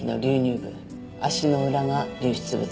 足の裏が流出部。